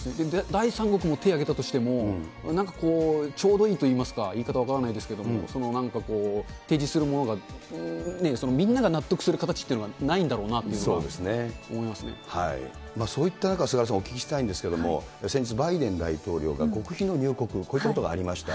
第三国も手挙げたとしても、ちょうどいいといいますか、言い方分からないですけども、なんかこう、提示するものがみんなが納得する形っていうのがないんだろうなっそういった中、菅原さん、お聞きしたいんですけれども、先日、バイデン大統領が極秘の入国、こういったことがありました。